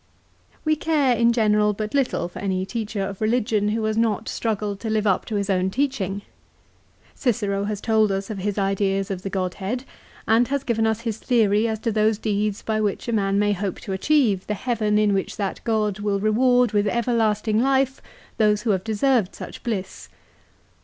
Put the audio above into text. We care in general but little for any teacher of religion CICERO'S RELIGION. 399 who has not struggled to live up to his own teaching. Cicero has told us of his ideas of the Godhead, and has given us his theory as to those deeds by which a man may hope to achieve the heaven in which that God will reward with everlasting life those who have deserved such bliss.